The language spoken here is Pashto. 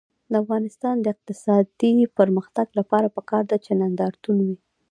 د افغانستان د اقتصادي پرمختګ لپاره پکار ده چې نندارتون وي.